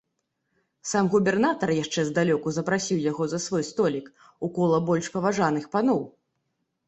Сам губернатар яшчэ здалёку запрасіў яго за свой столік, у кола больш паважаных паноў.